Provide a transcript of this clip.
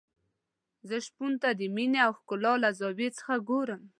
زه شپون ته د مينې او ښکلا له زاویې څخه ګورم.